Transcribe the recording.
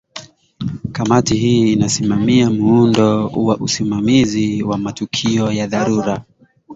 kamati hii inasimamia muundo wa usimamizi wa matukio ya dharura